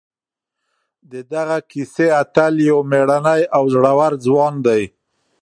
د دغې کیسې اتل یو مېړنی او زړور ځوان دی.